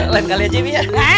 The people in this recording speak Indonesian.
lengkal ya cewe ya